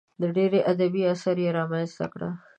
ډېر ادبي اثار یې رامنځته کړل.